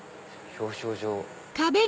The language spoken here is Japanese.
表彰状。